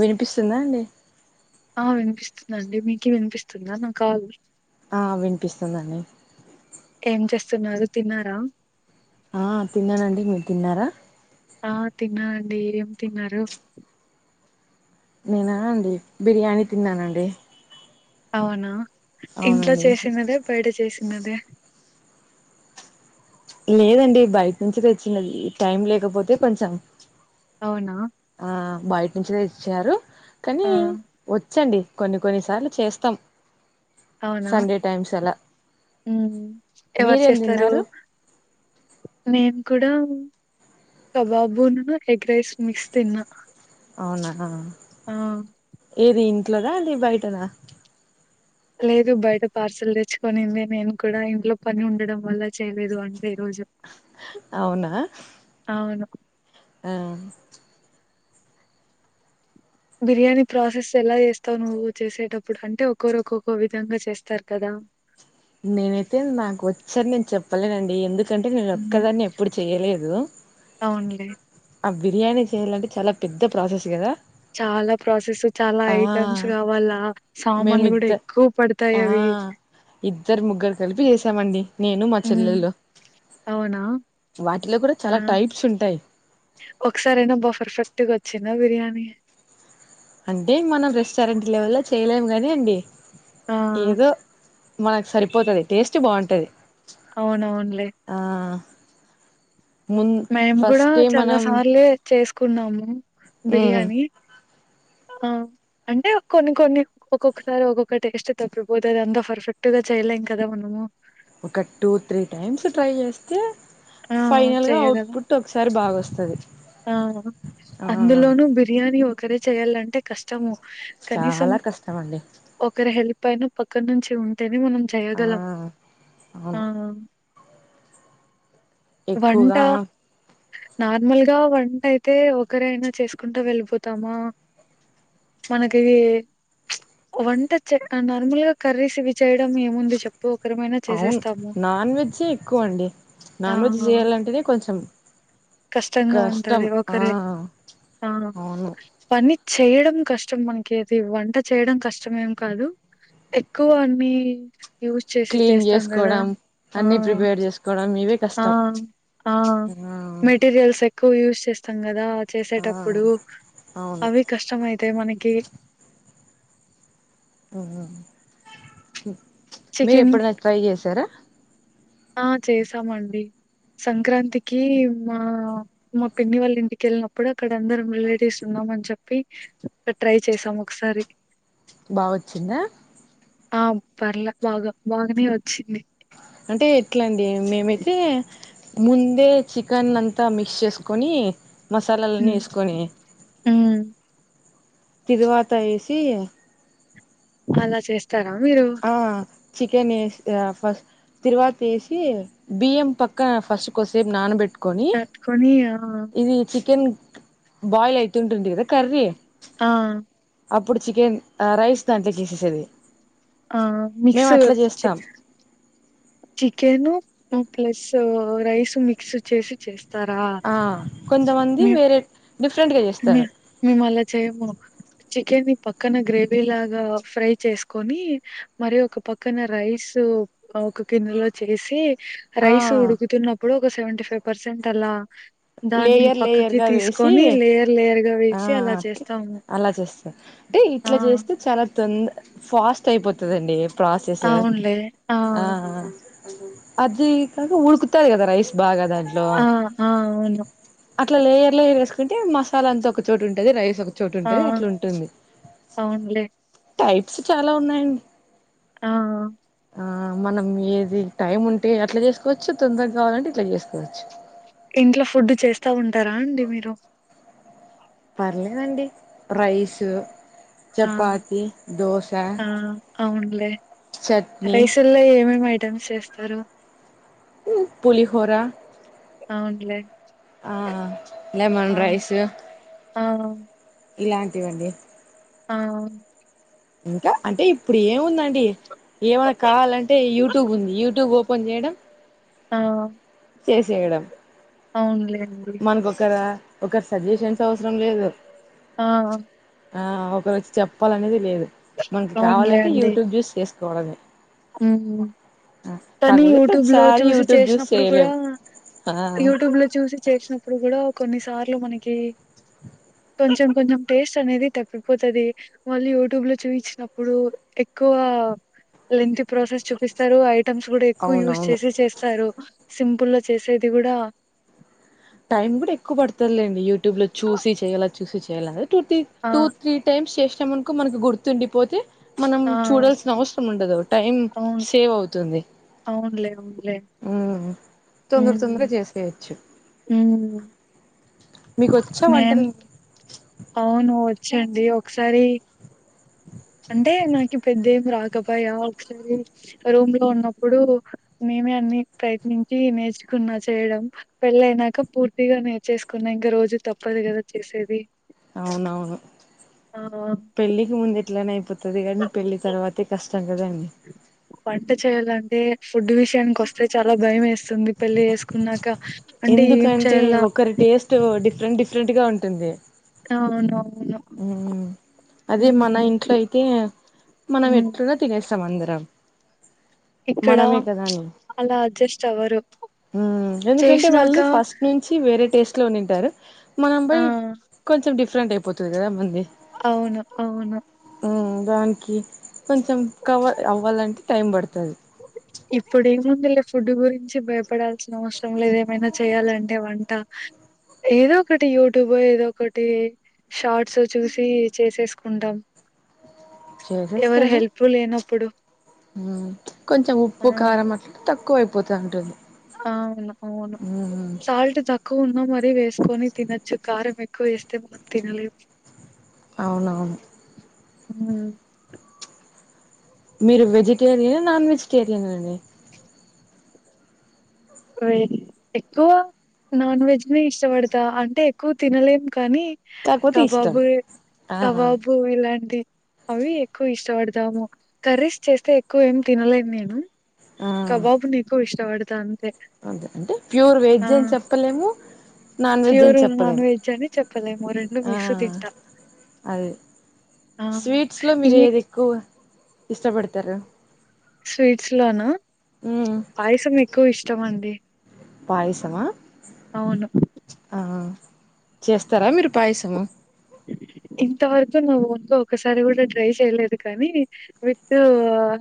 వినిపిస్తుందా అండి ఆ వినిపిస్తుందిండి మీకు వినిపిస్తుందా నా కాల ఆ వినిపిస్తుందండి ఏం చేస్తున్నారు తిన్నారా తిన్నానండి మీరు తిన్నారా ఆ తిన్నానండి ఏం తిన్నారు నేనా అండి బిర్యానీ తిన్నానండి అవునా ఇంట్లో అవునండి చేసినదే బయట చేసి ఇన్నదే లేదండి బయట నుంచి తెచ్చినది టైం లే కాకపోతే కొంచెం అవునా ఆ బయటినుంచి నే ఇచ్చినారు కానీ ఆ వచ్చండి కొన్ని కొన్నిసార్లు చేస్తాం అవునా సండే టైమ్స్ అలా మ్మ్ ఎవరు మీరేం చేస్తారు తిన్నారు నేను కూడా కబాబును ఎగ్ రైస్ మిక్స్ తిన్నా అవునా ఆ ఏది ఇంట్లోన అండి బయటనా లేదు బయట పార్సల్ తెచ్చుకనింది నేను కూడా ఇంట్లో పని ఉండడం వల్ల చేయలేదు అంటే ఈ రోజు అవునా అవును ఆ బిర్యానీ ప్రాసెస్ ఎలా చేస్తావు నువ్వు చేసేటప్పుడు అంటే ఒక్కొరు ఒక్కొక్క విధంగా చేస్తారు కదా నేనైతే నాకు వచ్చని నేను చెప్పలేనండి ఎందుకు ఎందుకంటే నేను హ్మ్ ఒక్కదాన్నే ఎప్పుడు చెయలేదు అవునులే. ఆ బిర్యానీ చేయాలంటే చాలా పెద్ద ప్రాసెస్ కదా చాలా ప్రాసెస్ చాలా ఆ ఐటమ్స్ కావాలా సామాన్లు కూడా మేమిద్ద ఎక్కువ పడతాయి ఆ అవి ఇద్దరు ముగ్గురు కలిపి చేసామండి నేను మా హ్మ్. చెల్లెల్లో అవునా? వాటిలో కూడా ఆ! చాలా టైప్స్ ఉంటాయి చిన్న బిర్యానీ అంటే మనం రెస్టారెంట్ లెవెల్లో చేయలేము గాని అండి ఆ! ఏదో మనకు సరిపోతది టేస్ట్ బాగుంటది అవునవునులే ఆ మున్ మేము కూడా ఫస్టే చాలా మనం సార్లు చేసు కున్నాము మ్ బిర్యానీ ఆ అంటే కొన్ని కొన్ని ఒక్కొక్కసారి ఒక్కొక్క టేస్ట్ తప్పపోతుంది అంత పర్ఫెక్ట్ గా చేయలేం కదా మనము ఒక టూ త్రీ టైమ్స్ ట్రై చేస్తే ఆ! ఫైనల్ గా ఔట్పుట్ ఒకసారి బాగా వస్తుంది తాది ఔను అందులోనూ బిర్యానీ వ అక్కరే చేయాలంటే కష్టము కనీసం చాలా కష్టం అండి ఒక రా హెల్ప్ పైన పక్కన నుంచి ఉంటే అది మనం ఆ చేయగలం అవును ఆ ఎక్కువగా నార్మల్ ఇకా వంట అయితే ఒకరైనా చేసుకుంటా వెళ్ళిపోతామా మనకిది వంట నార్మల్ గా కర్రీస్ ఇవి చేయడం ఏముంది చెప్పు ఒకరమైనా అవును చేసేస్తాము. నాన్ వెజ్ ఎక్కువ అండి ఆ! నాన్ వెజ్ చేయాలంటేనే కొంచెం ఉ కష్టం ఒక ఆ అవును అన్ని చేయడం కష్టం మనకి అది వంట చేయడం కష్టం ఏం కాదు ఎక్కువ అన్ని యూస్ చేసి క్లీన్ చేస్తాం కదా చేసుకోవడం అన్ని ప్రిపేర్ చేసుకోవడం ఇవే ఆ కష్టం ఆ ఆ మెటీరియల్స్ ఎక్కువ యూస్ చేస్తాం కదా ఆ చేసేటప్పుడు అవును అవి కష్టంమయిత తే మనకి ఆఉ మీరు చికెన్ ఎప్పుడైనా ట్రై చేసారా ఆ చేసామండి సంక్రాంతికి మా మ పిన్ని వాళ్ళ ఇంటిక వెళ్ళినప్పుడు అక్కడ అందరం రిలేటివ్స్ ఉన్నామని చెప్పి అక్కడ ట్రై చేశాం ఒకసారి బావొచ్చిందా ఆ పర్లే బాగా బాగానే వచ్చింది అంటే ఎట్లాండి మేమైతే ముందే చికెన్ అంతా మిక్స్ చేసుకొని మసాలాలని ఉమ్ ఏస్కొని ఉమ్ తిరువాత ఏసి అలా చేస్ స్తారా మీరు ఆ చికెన్ ఏస్ ఫస్ తరువాతి వేసి బియ్యం పక్కన ఫస్ట్ కొద్దిసేపు నానబెట్టు తత్ త్కోని ఆ చికెన్ బాయిల్ అయితుంటుంది కద కర్రి ఆ అప్పుడు చికెన్ రైస్ దాంట్లేకి ఏసేసేది ఆ మిక్స్ చ్ చికెన్ ప్లస్ రైస్ మిక్స్ చేసి చేస్ ఆ కొంతమంది వేరే డిఫరెంట్గా చేస్తారు చికెన్ ని పక్కన గ్రేవీ లాగా ఫ్రై చేసుకొని మరి ఒక పక్కన రైస్ ఒక గిన్నెలో చేసి ఆ రైస్ ఉడుకుతున్నప్పుడు ఓ సెవెంటీ ఫైవ్ పర్సెంట్ అలా దాన్ని లేయర్ లేయర్ పక్కకి గా వేసి తీసుకొని లేయర్ లేయర్ గా ఆ వేసి అలా ఒకే చేస్తాము. అలా చేస్తా అంటే ఆ ఇట్లా చేస్తే చాలా తొంద ఫాస్ట్ అయిపో తది అండి అవునులే ఆ అది ఈ కాక ఉడుకుతది ఆది రైస్ బాగా దాంట్లో ఆ ఆ అవును. అట్ల లేయర్ లేయర్ వేసుకుంటే మసాలంత ఒక చోటు ఉంటుది రైస్ ఒక చోటు ఆ ఉంటది అట్లా ఉంటుంది అవునులే టైప్స్ చాల ఉన్నాయండి ఆ ఆ ఆ మనం ఏది టైమ్ ఉంటే అట్లా చేసుకోవచ్చు తొందరగావలంటే ఇట్ల చేసుకోవచ్చు ఇంట్లో ఫుడ్డు చేస్తా ఉంటారా అండి మీరు పర్లేదండి రైసు ఆ ఆ అవునులే చట్నీ రైస్ ల్ల ఏం ఏమే ఐ టమ్స్ చేస్తారు పులిహోర అవునులే ఆ లెమన్ ఆ రైసు ఆ ఇలాంటివండి ఆ ఇంకా అంటే ఇప్పుడు ఏముందండి ఏమైనా కావాలంటే యూట్యూబ్ ఉంది యూట్యూబ్ ఓపెన్ చేయడం ఆ చేసేయడం అవునులె మనకొక్కరా ఒకరు సజెషన్స్ అవసరం లేదు ఆ ఆ ఒకరు వచ్చి చెప్పాలనేది లేదు మనకి కావాలంటే యూట్యూబ్ జూస్ చేస్త గోలాడి కాని యూట్యూబ్ లో ప్రతిసారి చూసి యూట్యూబ్ చేసినప్పుడు కూడా చేయలేం ఆ యూట్యూబ్ లో చూసి చేసినప్పుడు కూడా కొన్నిసార్లు మనకి కొంచెం కొంచెం టేస్ట్ అనేది తప్పిపోతుది వాళ్ళు యూట్యూబ్ లో చూపించినప్పుడు ఎక్కువగా లెంత్ ప్రాసెస్ చూపిస్తారు ఐ ఐటమ్స్ కూడా ఎక్కువ యూస్ అవునవును చేసి చేస్తారు సింపుల్ గా చేసేది కూడా టైమ్ కూడా ఎక్కువ పడతారులేండి యూట్యూబ్ లో చూసి చేయాలలా చూసి ఆ [unintelligible] టూ త్రీ టైమ్స్ చెస్ క్షమణకో మనకి గుర్తుండిపోతే మనం ఆ చూడాల్సిన అవసరం ఉండదు టైం అవును సేవ్ అవుతుంది అవునులే అవునులే తొందర తొందర చేసేయచ్చు మ్ మీకు వచ్చా మేమ్ వంటలు అవును చండి ఒకసారి అంటే నాకీ పెద్ద ఏం రాదు ఇంకబయా ఒకసారి రూమ్ లో ఉన్నప్పుడు మేమే అన్ని ప్రయత్నించి నేర్చుకున్నా చేయడం పెళ్ళ అయినాక పూర్తిగా నేర్చేసుకున్నా ఇంకా రోజు తప్పదు కదా చేసేది అవునవును ఆ పెళ్ళికి ముందె [unintelligible] ఐపోత్ వస్తది కని పెళ్లి తర్వాతే కష్టం కదండి వంట చేయాలంటే ఫుడ్ విషయానికి వస్తే చాలా భయం వేస్తుంది పెళ్లి చేసుకున్నాక అంటే ఏం ఎందుకంటే చేయాల ఒకరి టేస్ట్ డిఫ డిరెంట్ డిఫరెంట్గాంటుంది అవును మ్ అదే మన ఇంట్లో అయితే మనం ఉమ్ ఎట్లుగా తినేస్త సమంద్రం ఇక్కడ మనమే కదా అని అలా అడ్జస్ట్ అవ్వరు మ్మ్ ఎందుకంటే చేసినాక వాళ్ళు ఫస్ట్ నుంచి వేరే టేస్ట్ లో ఉండిఉంటారు మనంపై ఆ కొంచెం డిఫ ఫరెంట్ పొతది కదా బంది అవును అవును మ్మ్ దానికి కొంచెం కవర్ అవ్వాలంటే టైం పడుతది ఇప్పుడు ఏముంది లే ఫుడ్ గురించి భయపడాల్సిన అవసరం లేద ఏమైనా చేయాలంటే వంట ఏదో ఒకటి యూట్యూబ్ ఏదో ఒకటి షార్ట్స్ చూసి చేసేసుకుంటాం ఎవరు హెల్ప్ఫుల్ ఏన ఇప్పుడు మ్మ్ కొంచెం ఉప్పు కారం అట్లా తక్కువ పోయిపోతా అంటంది అవును అవును సాల్ట్ తక్కువ ఉన్నా మరి అది వేసుకొని తినచ్చు కారం ఎక్కువ వేస్తే మనం తినలేము అవునను మ్మ్ మీరు వెజిటేరియన్ నాన్ వెజిటేరియన్ అండి ఎక్కువ నాన్ వెజ్ ని ఇష్టపడతా అంటే ఎక్కువ తినలేము కానీ కాకపోతే ఇష్టం కబాబు ఆ కబాబు ఇలాంటి అవి ఎక్కువ ఇష్టపడతాము కర్రీస్ చేస్తే ఎక్కువ ఏం తినలేను నేను ఆ కబాబుని నికు ఇష్టపడతు త అంతే అదే అంటే ప్యూర్ ఆ వెజ్ అని చెప్పలేము నాన్ వెజ్ అని ప్యూర్ నాన్ చెప్పలేము వెజ్ అని చెప్పలేము రెండు ఆ మిక్స్ తింటా అదే ఆ స్వీట్స్లో ఈ మీరు ఏది ఎక్కువ ఇష్టపడతారు స్వీట్స్ లోన మ్మ్ పాయసం ఎక్కువ ఇష్టం అండి పయసమా అవును ఆ చేస్తారా మీరు పాయసము ఇంతవరకు నా ఓన్ లో ఒకసారి కూడా ట్రై చేయలేదు కానీ విత్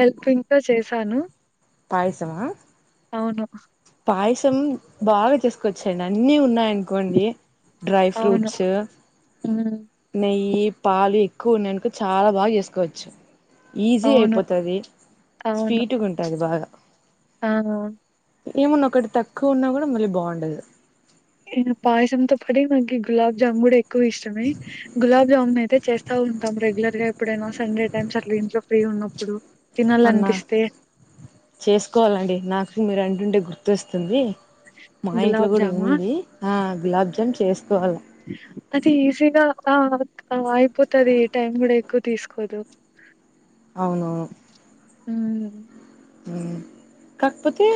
హెల్పింగ్తో చేశాను పయసమా అవును పాయసం బాగా చేసుకొచ్చాడి అన్నిీ ఉన్నాయం ఇంకొన్ని డ్రై ఫ్రూట్ అవును సు హ్మ్. నెయ్యి పాలు ఎక్కువ ఉన్నాయనుకో చాలా బాగా చేసుకోవచ్చు ఈజీ అవును అయిపోతుంది అవును స్పీట్గా ఉంటుంది బాగా ఆ ఏమన్నా ఒకటి తక్కువ ఉన్నా కూడా మళ్ళీ బాగుండదు పాయసంతో పడి మాకి గులాబ్ జామున్ కూడా ఎక్కువ ఇష్టమే గులాబ్ జామున్ అయితే చేస్తా ఉంటాం రెగ్యులర్ గా ఎప్పుడైనా సండే టైమ్స్ అలా ఇంట్లో ఫ్రీ ఉన్నప్పుడు అన్నా తినాలనిపిస్తే చేసుకోవాలండి నాకు మీరు అండుంటే గుర్తు తెస్తుంది మా ఇంట్లో గులాబ్ కూడా జామా ఉంది ఆ గులాబ్జామ్ చేసుకోవాలి అది ఈజీగా అయిపోతుది టైం కూడా ఎక్కువ తీసుకోదు అవును హ కాకపోతే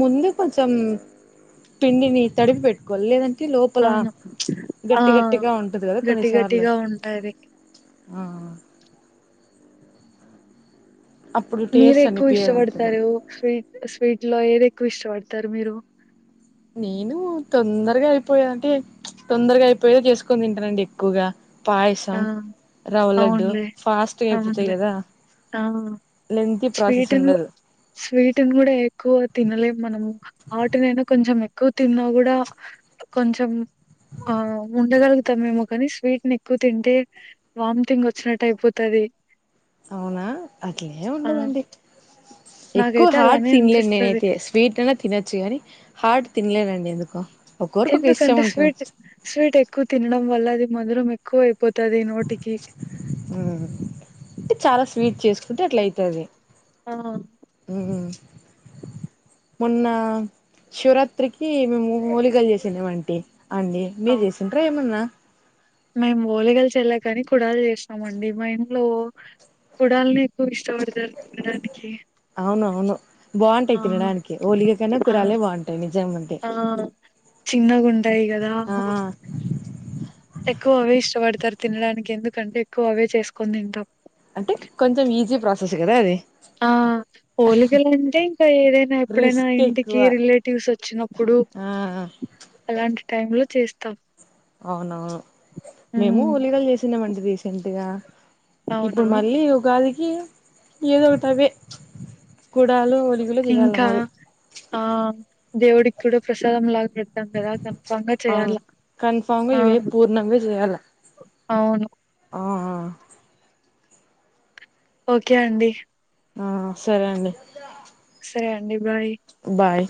ముందు కొంచెం పిండిని తడిపి పెట్టుకోవాలి లేదంటే లోపల అవును ఆ గట్టి గట్టిగా ఉంటది కదా గటి కొన్నిసార్లు గటిగా ఉంటాయి ఆ అప్పుడు మీరే టేస్ట్ ఎక్కువ అనిపియదు అంతగా ఇష్టపడతారు స్వీట్ స్వీట్ లో ఏద ఎక్కువ ఇష్టపడతారు మీరు నేను తొందరగా అయిపోయాే అంటే తొందరగా అయిపోయేదో చేసుకొని తింటానండి ఎక్కువగా ఆ పాయసం రవ్వ లడ్డు అవునులే ఫాస్ట్గా అయిపోతాయి అవునులే కదా ఆ లెంతీ ప్రాసెస్ స్వీటుని ఉండదు స్వీటుని కూడా ఎక్కువ తినలేము మనము ఆటినైనా కొంచెం ఎక్ ఎక్కువ తిన్నా కూడా కొంచెం ఆ ఉండగలుగుతామేమో కానీ స్వీట్ ని ఎక్కువ తింటే వామిటింగ్ వచ్చినట్టు అయిపోతుది అవునా అట్లే ఉండదండి ఎక్కువ నాకైతే హార్ట్ అలానే తినలేను అనిపిస్తది. నేనయితే స్వీట్ అనా తినొచ్చు గాని హార్ట్ తినలే ండి ఎందుకో ఒక్కొరికి ఒక ఇష్టం ఎందుకంటే ఉంటుంది స్వీట్ స్వీట్ ఎక్కువ తినడం వల్ల అది మధరు ఎకువ ఇ చాలా స్వీట్ చేసుకుంటే అట్ల అయితది ఆ ఉమ్. మొన్న శివరాత్రికి మేము హోలికలు చేసాం ఏమంటి అండి ఆ! మీరు చేసంటార ఏమన్నా మేము ఓలిగాలు చేల్లే కానీ కుడాలు చేసినామ అండి మా ఇంట్లో కుడాలని ఎక్కువ ఇష్టపడతారు తినడానికి అవును అవును ఆ! బాగుంటాయి తినడానికి ఓలికకైనా ఆ! కురాలే బాగుంటాయి నిజం అంటే ఆ చిన్నగుంటాయి కదా ఆ ఎక్కువ అవే ఇష్టపడతారు తినడానికి ఎందుకంటే ఎక్కువ అవే చేసుకుని తింటాం అంటే కొంచెం ఈజీ ప్రాసెస్ కదా అది ఆ హోలికలు అంటే ఇంకా ఏదైనా ఎప్పుడైనా రిస్క్ ఇంటికి ఎక్కువ రిలేటివ్స్ వచ్చినప్పుడు ఆ అలాంటి టై లో చేస్తాం అవునా మేము హ్మ్ ఉలిగలు చేసినామండి రీసెంట్గా అవునా ఇప్పుడు మళ్ళీ ఉగాదికి ఏదో ఒకటవే కుడాలు ఒలిగులు చేయాల ఇంకా మరి ఆ దేవుడికి కూడా ప్రసాదంలా చెద్దాం కదా కన్ఫాంగా అవును చేయాల కన్ఫామ్గా ఆ ఇవే పూర్ణంగా చేయాల అవును ఆ ఓకే అండి ఆ సరే అండి సరే అండి బాయ్ బాయ్